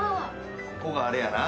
ここがあれやな。